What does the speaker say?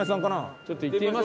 ちょっと行ってみます？